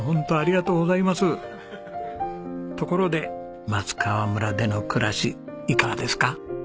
ところで松川村での暮らしいかがですか？